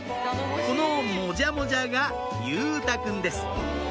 このもじゃもじゃが佑太くんです